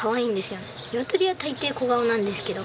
ニワトリは大抵小顔なんですけど。